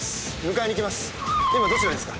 迎えに行きます。